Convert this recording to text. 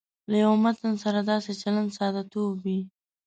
له یوه متن سره داسې چلند ساده توب وي.